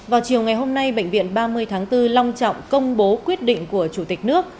vào chiều ngày hôm nay bệnh viện ba mươi tháng bốn long trọng công bố quyết định của chủ tịch nước